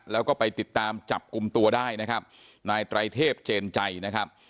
แล้วก็ไปติดตามจับกลุ่มตัวได้นะครับนายไตรเทพเจนใจนะครับ